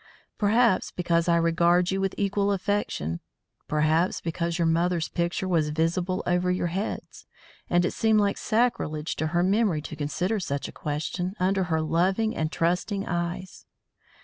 Perhaps because I regard you with equal affection. Perhaps because your mother's picture was visible over your heads, and it seemed like sacrilege to her memory to consider such a question under her loving and trusting eyes.